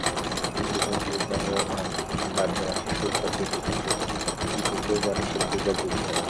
হিন্দু পঞ্জিকা অনুযায়ী ভাদ্র মাসের শুক্লা চতুর্থী তিথিতে গণেশের পূজা বিধেয়।